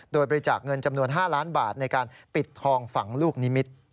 โดยบริจาคเงินจำนวน๕ล้านบาทในการปิดทองฝั่งลูกนิมิตร